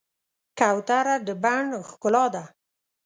کوتره د بڼ ښکلا ده.